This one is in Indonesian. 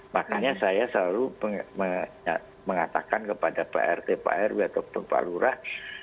makanya saya selalu mengatakan kepada pak rt pak rw ataupun pak lurah